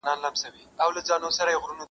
o په نامه د شیرنۍ حرام نه خورمه,